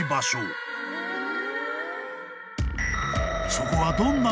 ［そこは］